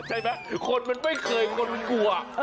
ใช่ไหมคนมันไม่เคยงนกลัว